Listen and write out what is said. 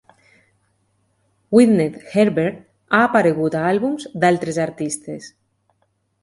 Gwyneth Herbert ha aparegut a àlbums d'altres artistes.